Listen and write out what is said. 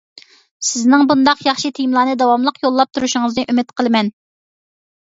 سىزنىڭ بۇنداق ياخشى تېمىلارنى داۋاملىق يوللاپ تۇرۇشىڭىزنى ئۈمىد قىلىمەن.